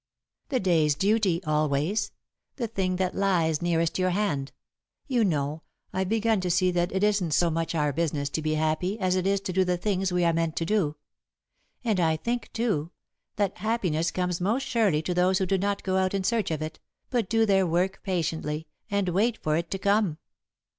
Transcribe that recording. "The day's duty, always; the thing that lies nearest your hand. You know, I've begun to see that it isn't so much our business to be happy as it is to do the things we are meant to do. And I think, too, that happiness comes most surely to those who do not go out in search of it, but do their work patiently, and wait for it to come."